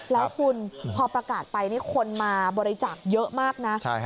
แล้วคุณพอประกาศไปนี่คนมาบริจาคเยอะมากนะ